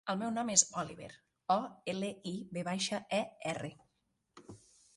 El meu nom és Oliver: o, ela, i, ve baixa, e, erra.